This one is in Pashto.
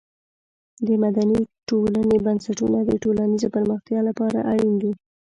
د مدني ټولنې بنسټونه د ټولنیزې پرمختیا لپاره اړین دي.